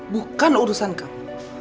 bukan urusan kamu